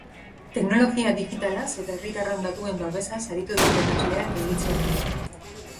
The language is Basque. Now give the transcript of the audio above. Teknologia digitalaz eta herritarron datuen babesaz aritu da irakaslea eta iritzi-emailea.